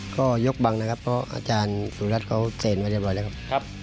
ก็ยกบังนะครับเพราะอาจารย์สุรัตน์เขาเซ็นไว้เรียบร้อยแล้วครับ